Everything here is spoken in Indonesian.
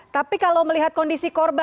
tapi kalau melihat kondisi korban